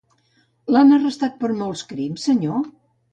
L'han arrestat per molts crims, senyor?